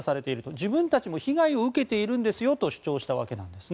自分たちも被害を受けているんですよと主張したわけです。